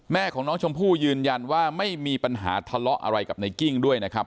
แม่ของน้องชมพู่ยืนยันว่าไม่มีปัญหาทะเลาะอะไรกับในกิ้งด้วยนะครับ